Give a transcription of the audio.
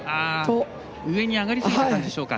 上に上がりすぎた感じでしょうか。